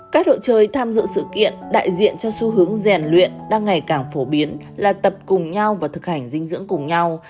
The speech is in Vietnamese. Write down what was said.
các đội chơi tham dự sự kiện đại diện cho xu hướng rèn luyện đang ngày càng phổ biến là tập cùng nhau và thực hành dinh dưỡng cùng nhau